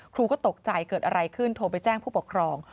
ครูก็ตกใจเกิดอะไรขึ้นโทรไปแจ้งผู้ปกครอง